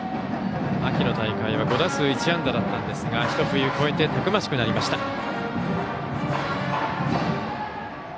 秋の大会は５打数１安打だったんですが一冬越えてたくましくなりました。